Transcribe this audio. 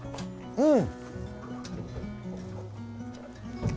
うん。